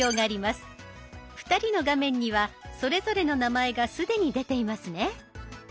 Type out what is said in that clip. ２人の画面にはそれぞれの名前が既に出ていますね。